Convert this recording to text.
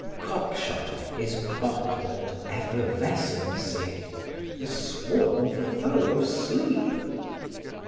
Cockshot is bottled effervescency, the sworn foe of sleep.